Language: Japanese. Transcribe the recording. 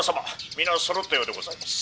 皆そろったようでございます」。